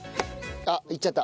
あっいっちゃった。